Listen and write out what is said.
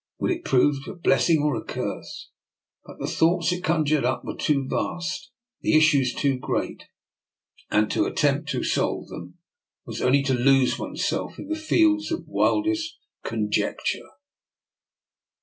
Would it prove a blessing or a curse? But the thoughts it conjured up were too vast, the issues too great, and to attempt to solve them was only to lose oneself in the fields of wildest conjecture.